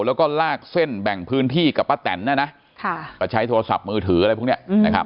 แล้วก็ลากเส้นแบ่งพื้นที่กับป้าแตนนะนะก็ใช้โทรศัพท์มือถืออะไรพวกนี้นะครับ